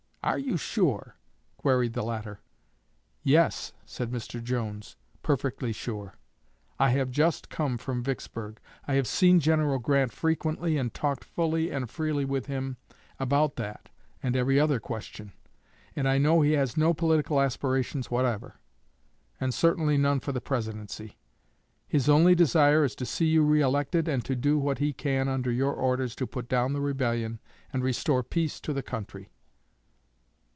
'Are you sure?' queried the latter. 'Yes,' said Mr. Jones, 'perfectly sure. I have just come from Vicksburg. I have seen General Grant frequently, and talked fully and freely with him about that and every other question; and I know he has no political aspirations whatever, and certainly none for the Presidency. His only desire is to see you re elected and to do what he can under your orders to put down the rebellion and restore peace to the country.'